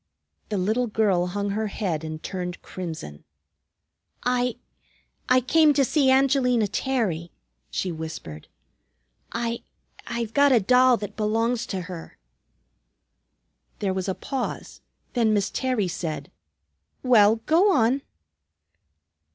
The little girl hung her head and turned crimson. "I I came to see Angelina Terry," she whispered. "I I've got a doll that belongs to her." There was a pause, then Miss Terry said, "Well, go on."